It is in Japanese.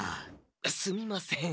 すみません。